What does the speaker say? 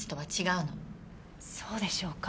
そうでしょうか？